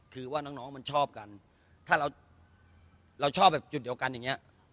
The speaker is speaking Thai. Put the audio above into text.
คือว่าน้องน้องมันชอบกันถ้าเราเราชอบแบบจุดเหลวกันอย่างเงี้ย